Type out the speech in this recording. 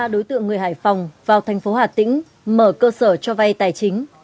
ba đối tượng người hải phòng vào thành phố hà tĩnh mở cơ sở cho vay tài chính